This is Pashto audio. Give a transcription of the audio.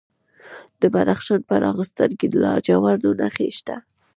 د بدخشان په راغستان کې د لاجوردو نښې شته.